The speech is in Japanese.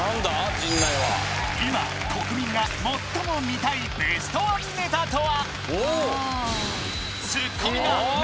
陣内は今国民が最も見たいベストワンネタとは？